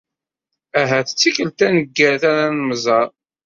Ahat d tikelt taneggart ara nemẓer.